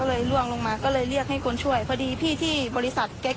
โดดลงรถหรือยังไงครับ